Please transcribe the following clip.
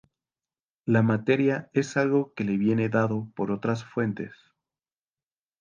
La materia es algo que le viene dado por otras fuentes.